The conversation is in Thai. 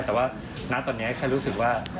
แต่ว่าณตอนนี้แค่รู้สึกว่า